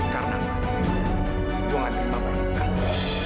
karena gua gak terima banyak kekasih